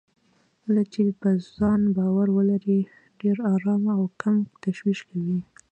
کله چې په ځان باور ولرئ، ډېر ارام او کم تشويش کوئ.